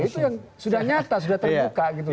itu yang sudah nyata sudah terbuka gitu